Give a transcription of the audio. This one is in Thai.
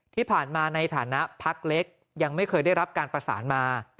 ในฐานะพักเล็กยังไม่เคยได้รับการประสานมา